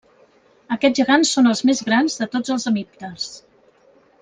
Aquests gegants són els més grans de tots els hemípters.